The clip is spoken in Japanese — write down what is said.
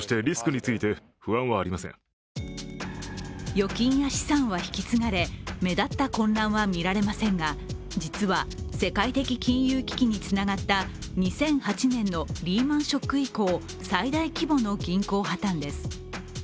預金や資産は引き継がれ目立った混乱は見られませんが、実は世界的金融危機につながった２００８年のリーマン・ショック以降最大規模の銀行破綻です。